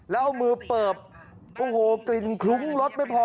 แล้วเอามือเปิบโอ้โหกลิ่นคลุ้งรถไม่พอ